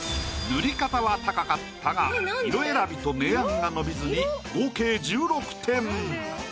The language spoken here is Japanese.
塗り方は高かったが色選びと明暗が伸びずに合計１６点。